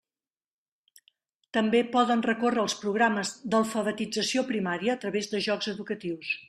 També poden recórrer als programes d'alfabetització primària a través de jocs educatius.